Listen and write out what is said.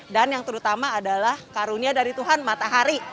dan yang terutama adalah karunia dari tuhan matahari